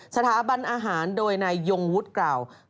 สถาบันอาหารโดยนายยงวุฒิกล่าว